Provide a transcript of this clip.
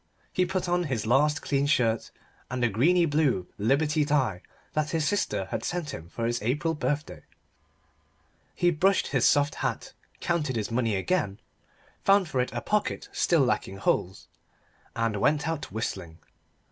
He put on his last clean shirt and the greeny blue Liberty tie that his sister had sent him for his April birthday. He brushed his soft hat counted his money again found for it a pocket still lacking holes and went out whistling.